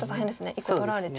１個取られちゃいます。